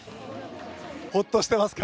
ほっとしていますか？